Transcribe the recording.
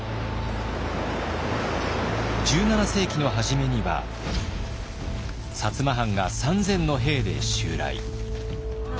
１７世紀の初めには摩藩が３，０００の兵で襲来。